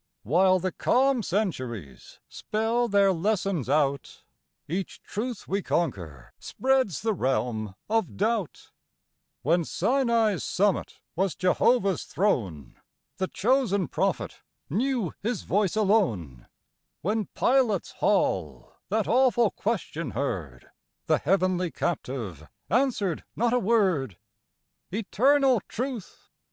While the calm centuries spell their lessons out, Each truth we conquer spreads the realm of doubt; When Sinai's summit was Jehovah's throne, The chosen Prophet knew his voice alone; When Pilate's hall that awful question heard, The Heavenly Captive answered not a word. Eternal Truth!